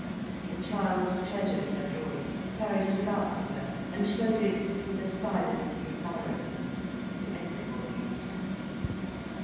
The child treasured her drawing, carried it about with her, and showed it, with a silent embarrassment, to everybody.